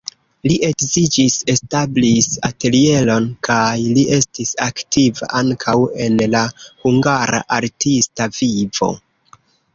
Li edziĝis, establis atelieron kaj li estis aktiva ankaŭ en la hungara artista vivo.